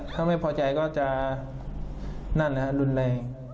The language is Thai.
ถ้าไม่พอใจก็จะนั่นรุนแรง